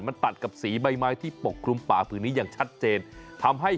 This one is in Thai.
มันตัดกับสีใบไม้ที่ปกคลุมป่าผืนนี้